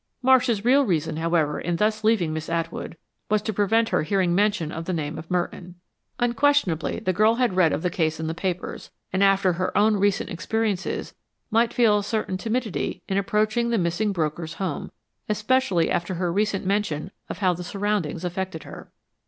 Marsh's real reason, however, in thus leaving Miss Atwood, was to prevent her hearing mention of the name of Merton. Unquestionably, the girl had read of the case in the papers, and after her own recent experiences might feel a certain timidity in approaching the missing broker's home; especially after her recent mention of how the surroundings affected her.